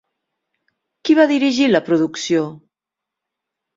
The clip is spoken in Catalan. Qui va dirigir la producció?